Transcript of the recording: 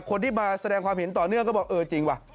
คนที่มาแสดงความเห็นต่อเนื่องก็บอกเออจริงว่ะ